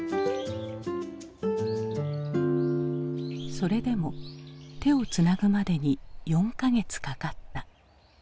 それでも手をつなぐまでに４か月かかった。